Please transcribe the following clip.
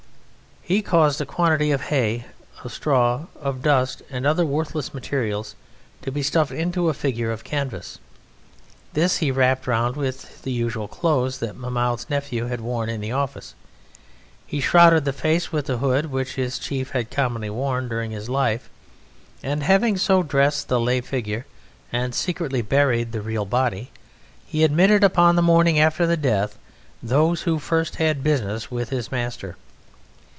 He caused a quantity of hay, of straw, of dust and of other worthless materials to be stuffed into a figure of canvas; this he wrapped round with the usual clothes that Mahmoud's Nephew had worn in the office, he shrouded the face with the hood which his chief had commonly worn during life, and having so dressed the lay figure and secretly buried the real body, he admitted upon the morning after the death those who first had business with his master.